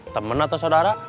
temen atau saudara